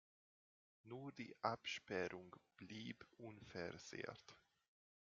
Nur die Absperrung blieb unversehrt.